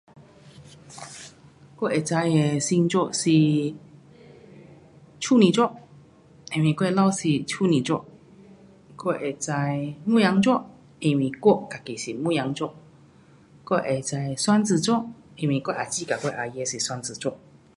我知道的星座是处女座，我的老公是处女座，我自己是牧羊座，我姐姐和我阿姨说双子座。